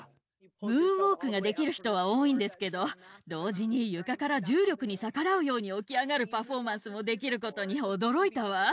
ムーンウォークができる人は多いんですけど、同時に床から重力に逆らうように起き上がるパフォーマンスもできることに驚いたわ。